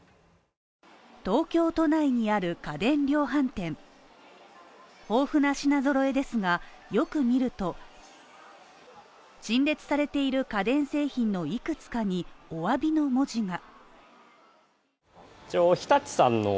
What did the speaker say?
東京都内にある家電量販店豊富な品揃えですが、よく見ると陳列されている家電製品のいくつかにお詫びの文字が。